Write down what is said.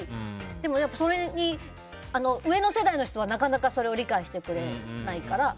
でも上の世代の人はなかなか理解してくれないから。